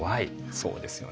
そうですよね